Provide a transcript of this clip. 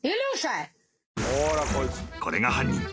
［これが犯人。